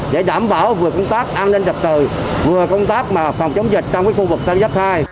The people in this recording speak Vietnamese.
để đảm bảo vừa công tác an ninh đập trời vừa công tác phòng chống dịch trong khu vực thạc giáp hai